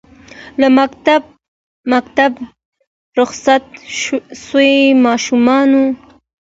له مکتبه رخصت سویو ماشومانو